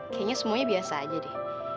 kayaknya semuanya biasa aja deh